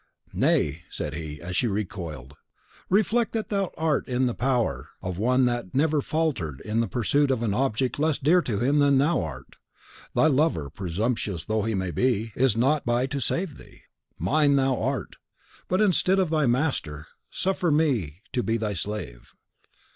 "Nay," said he, as she recoiled, "reflect that thou art now in the power of one that never faltered in the pursuit of an object less dear to him than thou art. Thy lover, presumptuous though he be, is not by to save thee. Mine thou art; but instead of thy master, suffer me to be thy slave."